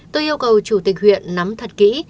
tôi yêu cầu chủ tịch huyện nắm thật kỹ